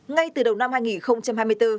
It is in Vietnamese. ngay từ đầu năm hai nghìn hai mươi bốn